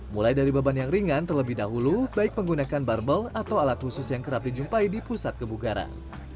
mulai dari beban yang ringan terlebih dahulu baik menggunakan barbel atau alat khusus yang kerap dijumpai di pusat kebugaran